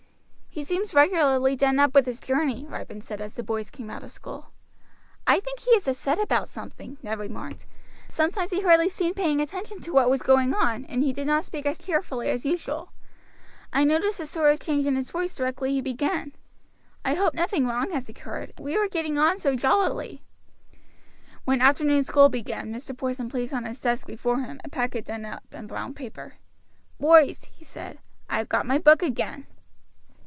"He seems regularly done up with his journey," Ripon said as the boys came out of school. "I think he is upset about something," Ned remarked. "Sometimes he hardly seemed paying attention to what was going on, and he did not speak as cheerfully as usual. I noticed a sort of change in his voice directly he began. I hope nothing wrong has occurred, we were getting on so jollily." When afternoon school began Mr. Porson placed on the desk before him a packet done up in brown paper. "Boys," he said, "I have got my book again."